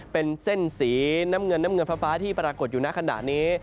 เป็นเส้นสีน้ำเงินน้ำเงินฟ้าที่ปรากฏอยู่ในขณะนี้